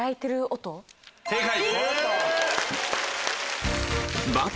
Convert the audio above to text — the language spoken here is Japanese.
正解。